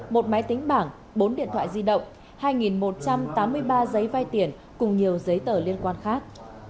một máy tính bảng bốn điện thoại di động hai một trăm tám mươi ba giấy vay tiền cùng nhiều giấy tờ liên quan khác